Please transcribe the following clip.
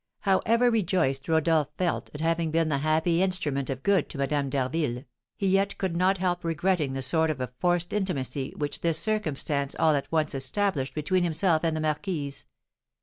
However rejoiced Rodolph felt at having been the happy instrument of good to Madame d'Harville, he yet could not help regretting the sort of a forced intimacy which this circumstance all at once established between himself and the marquise.